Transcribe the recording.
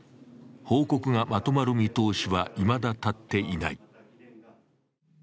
報告がまとまる見通しはいまだ立っていない。